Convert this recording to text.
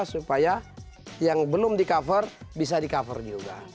supaya yang belum di cover bisa di cover juga